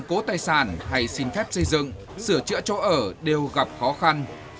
cố tài sản hay xin phép xây dựng sửa chữa chỗ ở đều gặp khó khăn